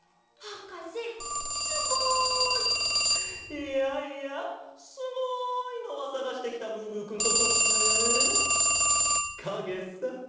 いやいやすごいのはさがしてきたムームーくんとそしてかげさ。